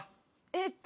えっと。